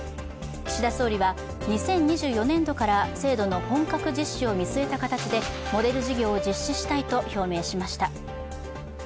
岸田総理は、２０２４年度から制度の本格実施を見据えた形でモデル事業を実施したいと表明しました。